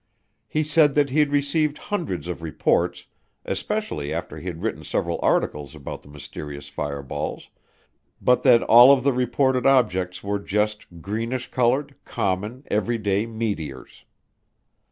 He said that he'd received hundreds of reports, especially after he'd written several articles about the mysterious fireballs, but that all of the reported objects were just greenish colored, common, everyday meteors.